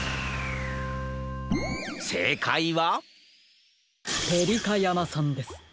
せいかいはペリカ山さんです。